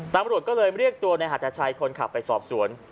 ตำรวจก็เลยเรียกตัวในหัทชัยคนขับไปสอบสวน